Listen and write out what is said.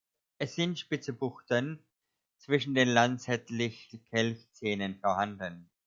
Es sind spitze Buchten zwischen den lanzettlich Kelchzähnen vorhanden.